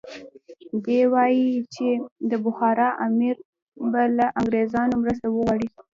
دی وایي چې د بخارا امیر به له انګریزانو مرسته وغواړي.